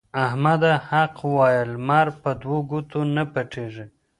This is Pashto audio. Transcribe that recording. احمده! حق وايه؛ لمر په دوو ګوتو نه پټېږي.